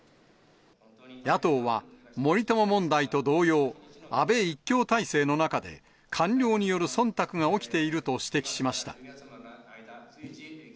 野党は森友問題と同様、安倍一強体制の中で、官僚によるそんたくが起きていると指摘しました。